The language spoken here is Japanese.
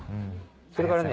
それからね。